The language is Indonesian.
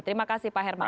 terima kasih pak herman